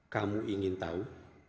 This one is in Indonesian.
kamu ingin tahu